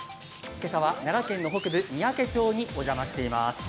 けさは奈良県の北部三宅町にお邪魔しています。